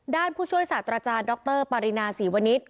ผู้ช่วยศาสตราจารย์ดรปารินาศรีวณิชย